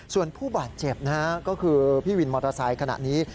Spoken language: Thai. ส่วนผู้บาดเจ็บนะฮะก็คือพี่วินมอเตอร์ไซค์ขณะนี้